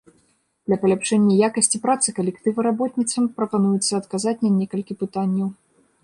Для паляпшэння якасці працы калектыва работніцам прапануецца адказаць на некалькі пытанняў.